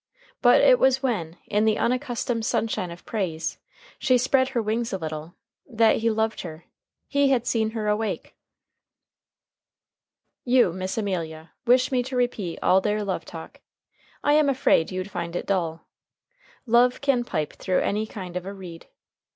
But it was when, in the unaccustomed sunshine of praise, she spread her wings a little, that he loved her. He had seen her awake. You, Miss Amelia, wish me to repeat all their love talk. I am afraid you'd find it dull. Love can pipe through any kind of a reed.